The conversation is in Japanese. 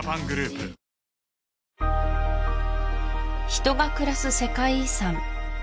人が暮らす世界遺産